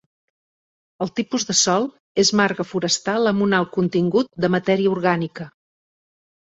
El tipus de sòl és marga forestal amb un alt contingut de matèria orgànica.